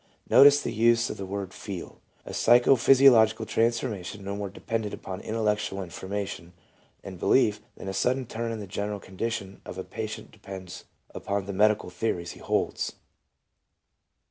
1 Notice the use of the ■word feel: — a psycho physiological transformation no more dependent upon intellectual information and belief than a sudden turn in the general condition of a patient depends upon the medical theories he holds.